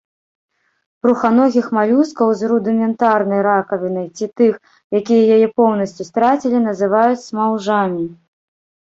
Бруханогіх малюскаў з рудыментарнай ракавінай ці тых, якія яе поўнасцю страцілі, называюць смаўжамі.